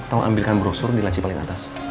atau ambilkan brosur di laci paling atas